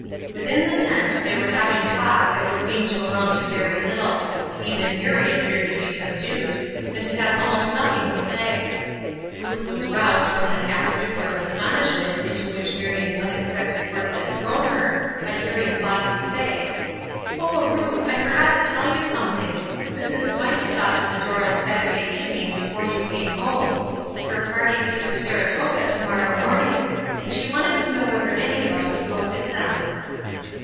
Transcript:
Within the tent they were having talk that would seem to amount to very little. Even Eurie appeared to be subdued, and to have almost nothing to say. Ruth was roused from the half stupor of astonishment into which Marion's unexpected words had thrown her by hearing Flossy say, "Oh, Ruth, I forgot to tell you something; Mrs. Smythe stopped at the door on Saturday evening before you came home; her party leave for Saratoga to morrow morning, and she wanted to know whether any of us would go with them."